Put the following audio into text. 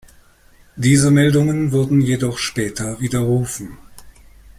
Diese Meldungen wurden jedoch später widerrufen.